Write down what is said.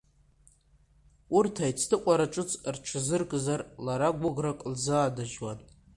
Урҭ аицныҟәара ҿыц рҽазыркзар лара гәыӷрак лзыннажьуан.